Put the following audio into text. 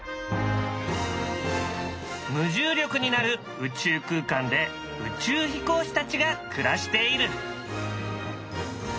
無重力になる宇宙空間で宇宙飛行士たちが暮らしている。